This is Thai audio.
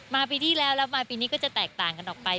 ปีที่แล้วแล้วมาปีนี้ก็จะแตกต่างกันออกไป